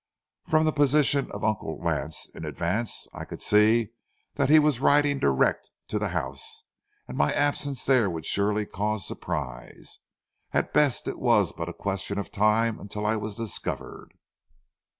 From the position of Uncle Lance, in advance, I could see that he was riding direct to the house, and my absence there would surely cause surprise. At best it was but a question of time until I was discovered.